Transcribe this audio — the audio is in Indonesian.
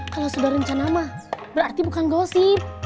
kalau sudah rencana mah berarti bukan gosip